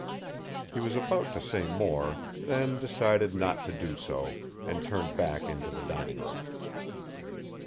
He was about to say more, then decided not to do so, and turned back into the dining room.